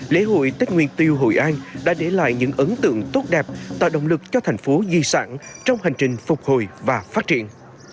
lễ hội tết nguyên tiêu hội an đã để lại những ấn tượng tốt đẹp tạo động lực cho thành phố di sản trong hành trình phục hồi và phát triển